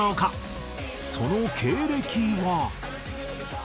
その経歴は。